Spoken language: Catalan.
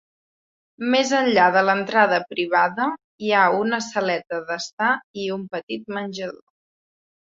Més enllà de la entrada privada hi ha una saleta d"estar i un petit menjador.